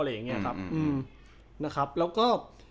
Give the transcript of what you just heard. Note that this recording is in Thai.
แล้วก็